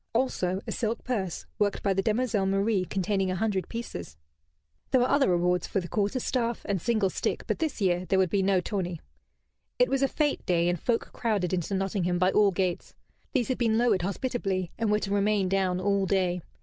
Also a silk purse, worked by the demoiselle Marie, containing a hundred pieces. There were other rewards for the quarter staff and single stick, but this year there would be no tourney. It was a fête day, and folk crowded into Nottingham by all gates. These had been lowered hospitably and were to remain down all day.